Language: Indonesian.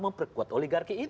maka memperkuat oligarki itu